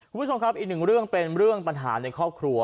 คุณผู้ชมครับอีกหนึ่งเรื่องเป็นเรื่องปัญหาในครอบครัว